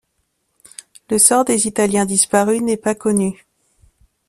Le sort des Italiens disparus n'est pas connu.